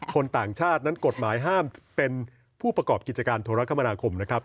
ต่างชาตินั้นกฎหมายห้ามเป็นผู้ประกอบกิจการโทรคมนาคมนะครับ